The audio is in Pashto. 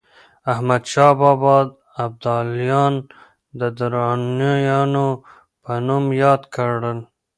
احمدشاه بابا ابداليان د درانیانو په نوم ياد کړل.